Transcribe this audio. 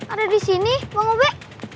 ada disini bang ube